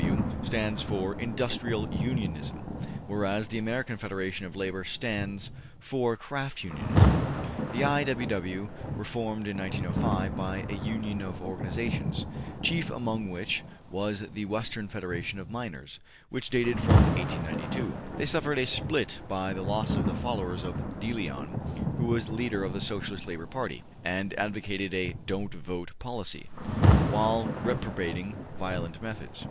W. stands for industrial unionism, whereas the American Federation of Labor stands for craft unionism. The I. W. W. were formed in 1905 by a union of organizations, chief among which was the Western Federation of Miners, which dated from 1892. They suffered a split by the loss of the followers of Deleon, who was the leader of the ``Socialist Labor Party'' and advocated a ``Don't vote'' policy, while reprobating violent methods.